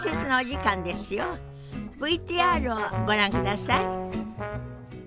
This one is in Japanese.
ＶＴＲをご覧ください。